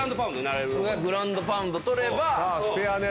俺がグランドパウンド取れば。